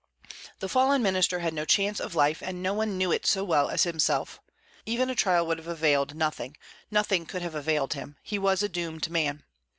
The fallen minister had no chance of life, and no one knew it so well as himself. Even a trial would have availed nothing; nothing could have availed him, he was a doomed man.